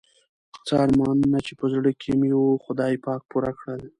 څه ارمانونه چې په زړه کې مې وو خدای پاک پوره کړل.